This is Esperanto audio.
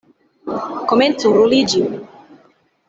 Komencu ruliĝi!